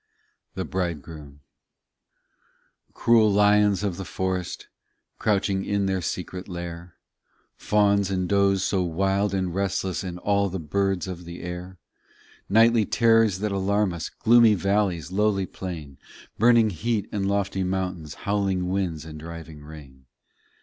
POEMS THE BRIDEGROOM 20 Cruel lions of the forest, Crouching in their secret lair; Fawns and does so wild and restless And all the birds of the air. Nightly terrors that alarm us, Gloomy valleys, lowly plain, Burning heat and lofty mountains, Howling winds and driving rain.